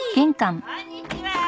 こんにちはー。